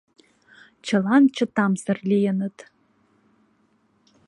Чылан чытамсыр лийыныт.